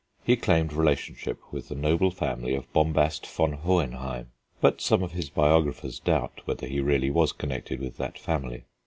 He claimed relationship with the noble family of Bombast von Hohenheim; but some of his biographers doubt whether he really was connected with that family.